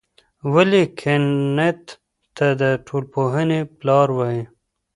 ولي کنت ته د ټولنپوهنې پلار وايي؟